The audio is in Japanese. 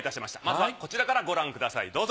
まずはこちらからご覧ください。